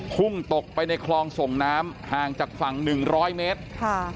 พุ่งตกไปในคลองส่งน้ำห่างจากฝั่ง๑๐๐เมตร